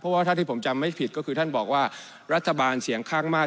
เพราะว่าที่ผมจำไม่ผิดให้รัฐบาลเสียงข้างมาก